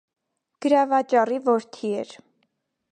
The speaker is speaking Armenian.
Գրավաճառի որդի էր։